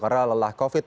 karena lelah covid